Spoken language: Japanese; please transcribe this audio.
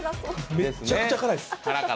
めちゃくちゃ辛いです。